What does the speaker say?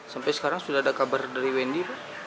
sampai sekarang sudah ada kabar dari wendy